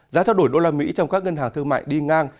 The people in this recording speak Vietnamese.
giá trao đổi usd trong các ngân hàng thương mại đi ngang